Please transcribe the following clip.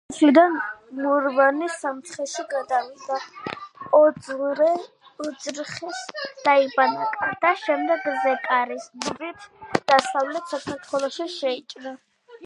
ქართლიდან მურვანი სამცხეში გადავიდა, ოძრხეს დაიბანაკა და შემდეგ ზეკარის გზით დასავლეთ საქართველოში შეიჭრა.